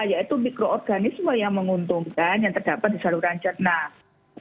yaitu mikroorganisme yang menguntungkan yang terdapat di saluran cerna